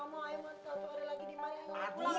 aduh lo ketah banget deh